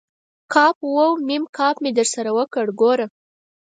ک و م ک مې درسره وکړ، ګوره!